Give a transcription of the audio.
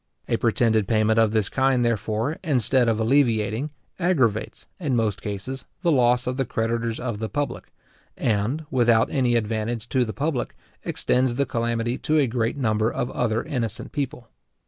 A pretended payment of this kind, therefore, instead of alleviating, aggravates, in most cases, the loss of the creditors of the public; and, without any advantage to the public, extends the calamity to a great number of other innocent people.